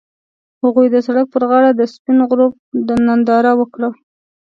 هغوی د سړک پر غاړه د سپین غروب ننداره وکړه.